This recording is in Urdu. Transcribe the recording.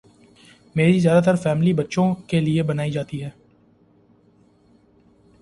میری زیادہ تر فلمیں بچوں کیلئے بنائی جاتی ہیں